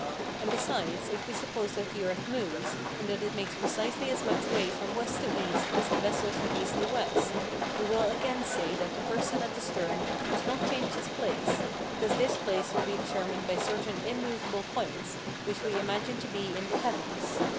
And besides, if we suppose that the earth moves, and that it makes precisely as much way from west to east as the vessel from east to west, we will again say that the person at the stern does not change his place, because this place will be determined by certain immovable points which we imagine to be in the heavens.